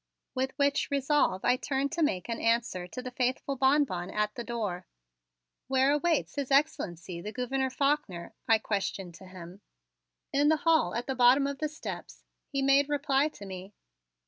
With which resolve I turned to make an answer to the faithful Bonbon at the door. "Where awaits His Excellency, the Gouverneur Faulkner?" I questioned to him. "In the hall at the bottom of the steps," he made reply to me.